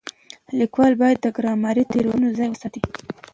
ليکوال بايد له ګرامري تېروتنو ځان وساتي.